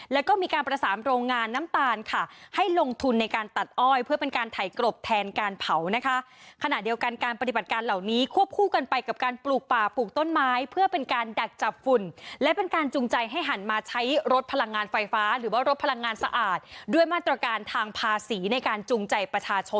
แล้วก็มีการประสานโรงงานน้ำตาลค่ะให้ลงทุนในการตัดอ้อยเพื่อเป็นการถ่ายกรบแทนการเผานะคะขณะเดียวกันการปฏิบัติการเหล่านี้ควบคู่กันไปกับการปลูกป่าปลูกต้นไม้เพื่อเป็นการดักจับฝุ่นและเป็นการจูงใจให้หันมาใช้รถพลังงานไฟฟ้าหรือว่ารถพลังงานสะอาดด้วยมาตรการทางภาษีในการจุงใจประชาชน